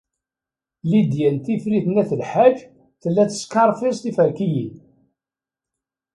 Lidya n Tifrit n At Lḥaǧ tella teskerfiẓ tiferkiyin.